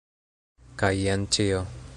Kaj jen ĉio!